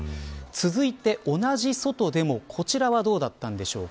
続いて、同じ外でもこちらはどうだったんでしょう。